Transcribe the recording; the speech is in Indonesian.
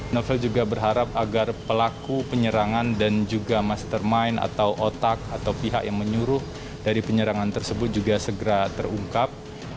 novel juga berharap agar pelaku penyerangan dan juga mastermind atau otak atau pihak yang menyuruh dari penyerangan tersebut juga segera terungkap